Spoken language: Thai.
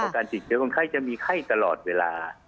การติดเชื้อคนไข้จะมีไข้ตลอดเวลา